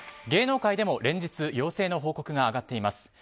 芸能界でも連日陽性の報告が上がっています。